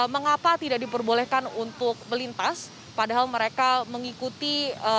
mengapa tidak diperbolehkan untuk melintas padahal mereka mengikuti undang undang atau mengikuti perusahaan masing masing